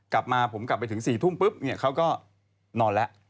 กลับมาผมกลับไปถึง๔ทุ่มปุ๊บเขาก็นอนแล้ว